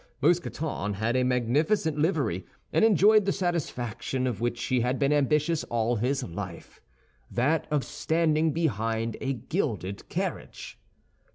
Mousqueton had a magnificent livery, and enjoyed the satisfaction of which he had been ambitious all his life—that of standing behind a gilded carriage.